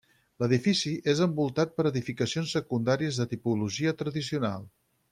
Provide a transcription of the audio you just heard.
L'edifici és envoltat per edificacions secundàries de tipologia tradicional.